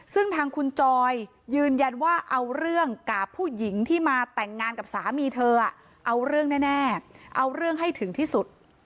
ซึ่งทางคุณจอยยืนยันว่าเอาเรื่องกับผู้หญิงที่มาแต่งงานกับสามีเธอเอาเรื่องแน่เอาเรื่องให้ถึงที่สุด